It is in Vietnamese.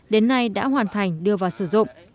đến nay đã hoàn thành đưa vào sử dụng